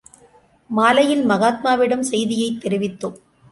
மாலையில் மகாத்மாவிடம் செய்தியைத் தெரிவித்தோம்.